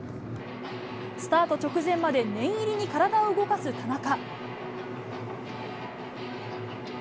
スタート直前まで念入りに体を動かす田中。